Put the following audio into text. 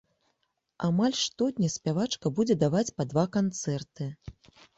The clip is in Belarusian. Амаль штодня спявачка будзе даваць па два канцэрты.